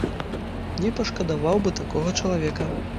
Не пашкадаваў бы такога чалавека.